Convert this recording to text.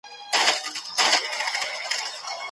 نظم ژوند اسانه کوي.